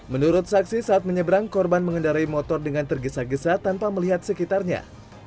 menurut saksi saat menyeberang korban mengendarai motor dengan tergesa gesa tanpa melihat sekitarnya